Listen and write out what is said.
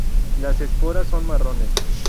Las esporas son marrones.